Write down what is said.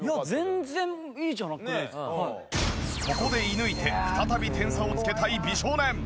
ここで射抜いて再び点差をつけたい美少年。